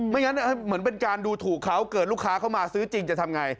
งั้นเหมือนเป็นการดูถูกเขาเกิดลูกค้าเข้ามาซื้อจริงจะทำไง